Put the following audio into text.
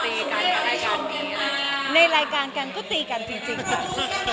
มันจะกลายเป็นปัจเนิน